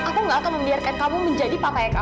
aku tidak akan membiarkan kamu menjadi papa eka kava